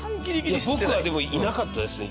僕はでもいなかったですね